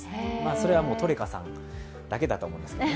それはトレカさんだけだと思うんですけどね。